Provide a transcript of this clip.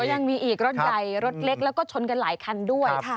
ยังมีอีกรถใหญ่รถเล็กแล้วก็ชนกันหลายคันด้วย